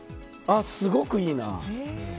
あ、すごくいいな。